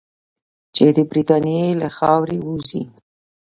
چې د برټانیې له خاورې ووځي.